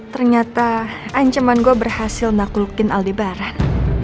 ternyata ancaman gue berhasil nakulukin aldebaran